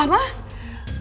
mama kan disini